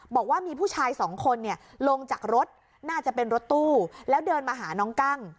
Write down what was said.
บอกว่ามีผู้ชายสองคนลงจากรถน่าจะเป็นรถตู้แล้วเดินมาหาน้องกั้ง